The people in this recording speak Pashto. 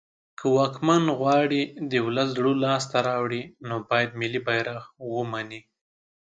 که واکمن غواړی د ولس زړه لاس ته راوړی نو باید ملی بیرغ ومنی